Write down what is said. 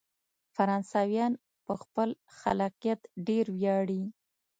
فرانسویان په خپل خلاقیت ډیر ویاړي.